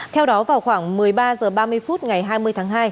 theo đó vào khoảng một mươi ba h ba mươi phút ngày hai mươi tháng hai